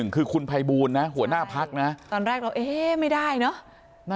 คือคุณภัยบูลนะหัวหน้าพักตอนแรกไม่ได้เนาะ